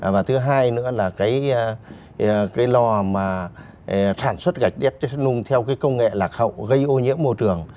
và thứ hai nữa là cái lò mà sản xuất gạch đắt cho nung theo cái công nghệ lạc hậu gây ô nhiễm môi trường